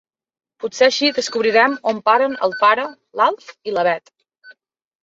Potser així descobrirem on paren el Pere, l'Alf i la Bet.